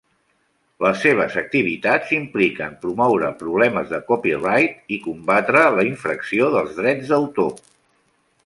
Les seves activitats impliquen promoure problemes de copyright i combatre la infracció dels drets d'autor.